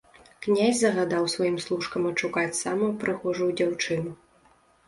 Князь загадаў сваім служкам адшукаць самую прыгожую дзяўчыну.